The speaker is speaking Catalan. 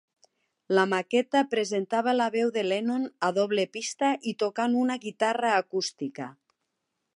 La maqueta presentava la veu de Lennon a doble pista i tocant una guitarra acústica.